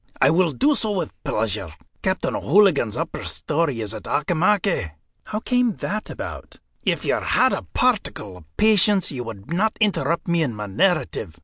"I will do so with pleasure. Captain O'Hooligan's upper story is at Auchimachie." "How came that about?" "If you had a particle of patience, you would not interrupt me in my narrative.